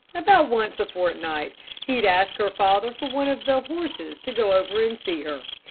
About once a fortnight, he'd ask father for one of the horses to go over to see her.